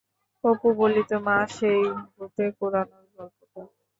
অপু বলিত, মা সেই ঘুটে কুড়োনোর গল্পটা?